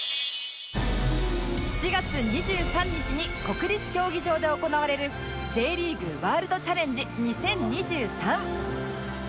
７月２３日に国立競技場で行われる Ｊ リーグワールドチャレンジ２０２３